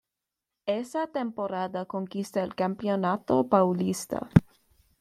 Esa temporada conquista el Campeonato Paulista.